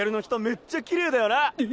めっちゃきれいだよな。